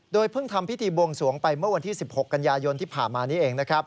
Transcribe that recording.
เพิ่งทำพิธีบวงสวงไปเมื่อวันที่๑๖กันยายนที่ผ่านมานี้เองนะครับ